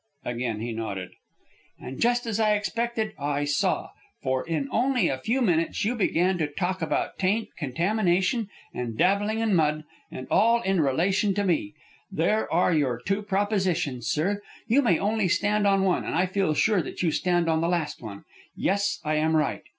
Again he nodded. "And just as I expected, I saw. For in only a few minutes you began to talk about taint, and contamination, and dabbling in mud, and all in relation to me. There are your two propositions, sir. You may only stand on one, and I feel sure that you stand on the last one. Yes, I am right.